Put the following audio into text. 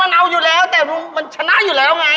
มันเอาอยู่แล้วแต่มันชนะอยู่แล้วไง